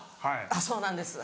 そうなんですはい。